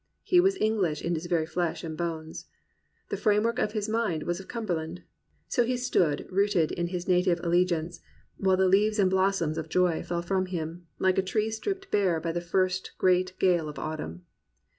He was English in his very flesh and bones. The framework of his mind was of Cumberland. So he stood rooted in his native allegiance, while the leaves and blossoms of joy fell from him, like a tree stripped bare by the first great gale of autumn.